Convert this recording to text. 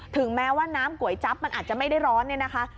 ถึงแม้ว่าน้ำก๋วยจั๊บมันอาจจะไม่ได้ร้อนเนี่ยนะคะ